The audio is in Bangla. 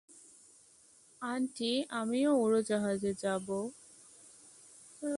আন্টি, আমিও উড়োজাহাজে যাবো।